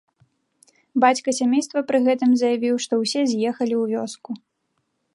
Бацька сямейства пры гэтым заявіў, што ўсе з'ехалі ў вёску.